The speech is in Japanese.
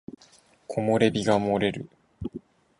木漏れ日が漏れる